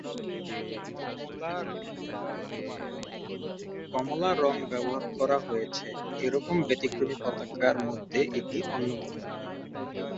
কমলা রঙ ব্যবহার করা হয়েছে, এরকম ব্যতিক্রমী পতাকার মধ্যে এটি অন্যতম।